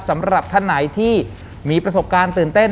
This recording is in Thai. สำหรับท่านไหนที่มีประสบการณ์ตื่นเต้น